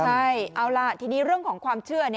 ใช่เอาล่ะทีนี้เรื่องของความเชื่อ